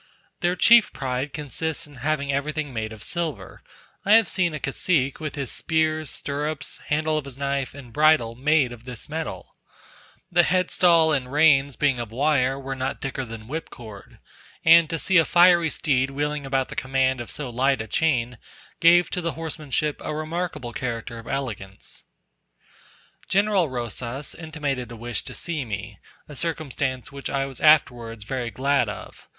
Their chief pride consists in having everything made of silver; I have seen a cacique with his spurs, stirrups, handle of his knife, and bridle made of this metal: the head stall and reins being of wire, were not thicker than whipcord; and to see a fiery steed wheeling about under the command of so light a chain, gave to the horsemanship a remarkable character of elegance. General Rosas intimated a wish to see me; a circumstance which I was afterwards very glad of.